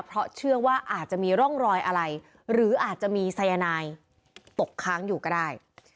เพราะเชื่อว่าอาจจะมีร่องรอยอะไรหรืออาจจะมีสายนายตกค้างอยู่ก็ได้